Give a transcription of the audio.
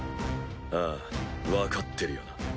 ああわかってるよな？